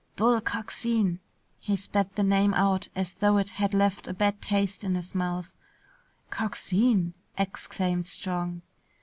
"Bull Coxine!" He spat the name out as though it had left a bad taste in his mouth. "Coxine!" exclaimed Strong.